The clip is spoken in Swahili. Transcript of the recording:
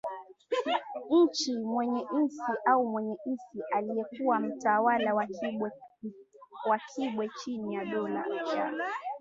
nchi Mwenye Insi au Mwenye Isi aliyekuwa mtawala wa Kibwe chini ya Dola ya